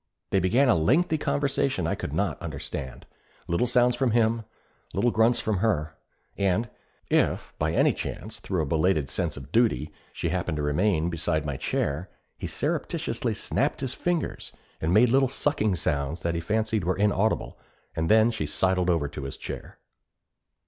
They began a lengthy conversation I could not understand little sounds from him, little grunts from her. If, by any chance, through a belated sense of duty, she happened to remain beside my chair, he surreptitiously snapped his fingers and made little sucking sounds that he fancied were inaudible, and then she sidled over to his chair.